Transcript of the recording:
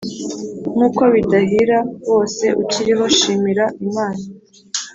nk’uko bidahira bose, ukiriho shimira imana,